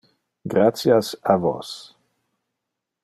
Gratias a vos.